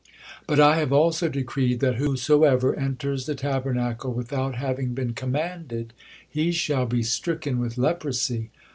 But I have also decreed that whosoever enters the Tabernacle without having been commanded, he shall be stricken with leprosy.